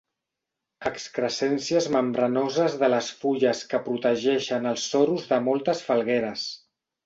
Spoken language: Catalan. Excrescències membranoses de les fulles que protegeixen els sorus de moltes falgueres.